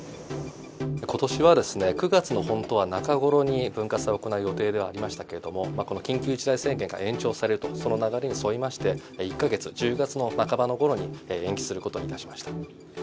ことしは９月の本当は中頃に文化祭を行う予定ではありましたけれども、この緊急事態宣言が延長されると、その流れに沿いまして、１か月、１０月の半ばのころに、延期することにいたしました。